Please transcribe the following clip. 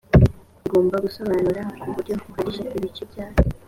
igomba gusobanura ku buryo buhagije ibice byayo